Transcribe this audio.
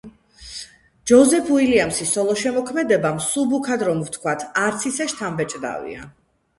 ჯოზეფ უილიამსის სოლო შემოქმედება, მსუბუქად რომ ვთქვათ, არც ისე შთამბეჭდავია.